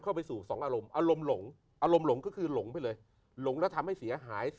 เข้าไปสู่๒อารมณ์อารมณ์หลงก็คือหลงด้วยหลงแล้วทำให้เสียหาย